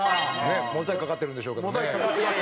モザイクかかってるんでしょうけどね。